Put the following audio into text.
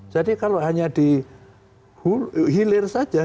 jadi kalau hanya di hilir saja